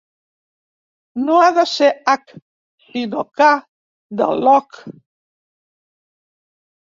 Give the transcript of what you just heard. No ha de ser hac, sinó ca, de lock.